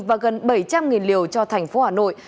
và gần bảy trăm linh liều cho thành phố hà nội